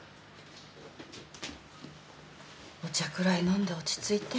お茶くらい飲んで落ち着いて。